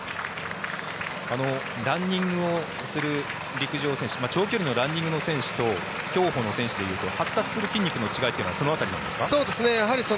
ランニングをする陸上選手長距離のランニング選手と競歩の選手で言うと発達する筋肉の違いはその辺りなんですか？